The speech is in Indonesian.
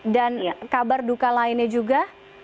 dan kabar duka lainnya juga